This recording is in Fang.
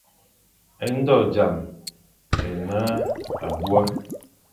É ndo zam é ne abua.